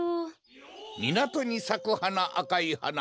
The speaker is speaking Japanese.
みなとにさくはなあかいはな。